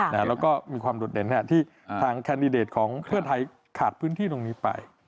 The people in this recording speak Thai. แล้วก็มีความโดดเด่นที่ทางแคนดิเดตของเพื่อไทยขาดพื้นที่ตรงนี้ไป